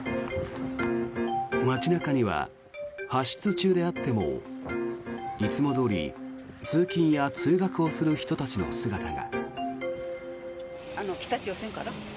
街中には発出中であってもいつもどおり通勤や通学をする人たちの姿が。